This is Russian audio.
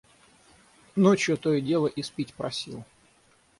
Ночью то и дело испить просил.